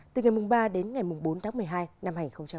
từ ngày ba đến ngày bốn tháng một mươi hai năm hai nghìn một mươi chín